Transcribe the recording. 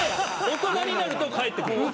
大人になると帰ってくる。